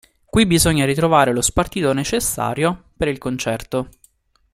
Qui bisogna ritrovare lo spartito necessario per il concerto.